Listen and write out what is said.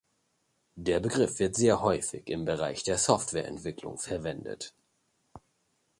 Der Begriff wird häufig im Bereich der Softwareentwicklung verwendet.